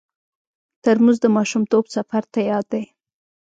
ترموز د ماشومتوب سفر ته یاد دی.